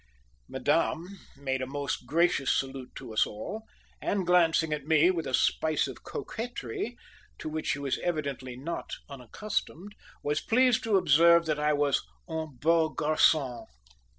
Madame made a most gracious salute to us all, and, glancing at me with a spice of coquetry, to which she was evidently not unaccustomed, was pleased to observe, that I was "un beau garcon."